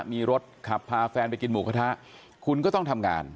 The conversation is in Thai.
มีรถขับพาแฟนไปกินหมูกระทะคุณก็ต้องทำงาน